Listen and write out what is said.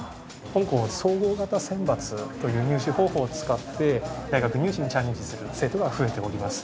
本校総合型選抜という入試方法を使って大学入試にチャレンジする生徒が増えております。